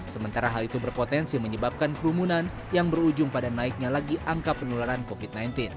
sementara hal itu berpotensi menyebabkan kerumunan yang berujung pada naiknya lagi angka penularan covid sembilan belas